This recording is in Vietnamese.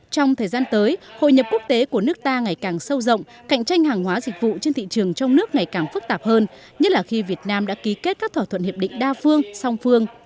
trong thời gian tới hội nhập quốc tế của nước ta ngày càng sâu rộng cạnh tranh hàng hóa dịch vụ trên thị trường trong nước ngày càng phức tạp hơn nhất là khi việt nam đã ký kết các thỏa thuận hiệp định đa phương song phương